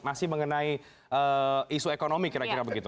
masih mengenai isu ekonomi kira kira begitu